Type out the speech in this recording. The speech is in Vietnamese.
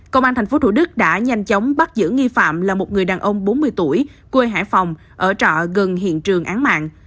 công an tp thủ đức đã nhanh chóng bắt giữ nghi phạm là một người đàn ông bốn mươi tuổi quê hải phòng ở trọ gần hiện trường án mạng